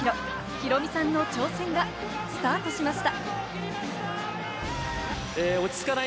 ヒロミさんの挑戦がスタートしました。